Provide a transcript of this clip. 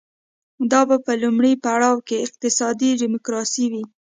دا به په لومړي پړاو کې اقتصادي ډیموکراسي وي